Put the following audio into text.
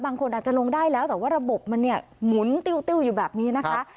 บางคนอาจจะลงได้แล้วแต่ว่าระบบมันเนี่ยหมุนติ้วอยู่แบบนี้นะคะ